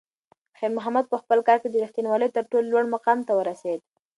خیر محمد په خپل کار کې د رښتونولۍ تر ټولو لوړ مقام ته ورسېد.